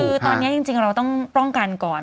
คือตอนนี้จริงเราต้องป้องกันก่อน